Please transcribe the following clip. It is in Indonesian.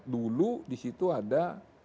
dulu di situ ada